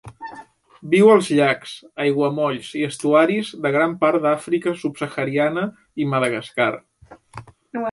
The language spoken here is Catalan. Viu als llacs, aiguamolls i estuaris de gran part de l'Àfrica subsahariana i Madagascar.